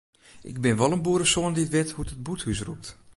Ik bin wol in boeresoan dy't wit hoe't in bûthús rûkt.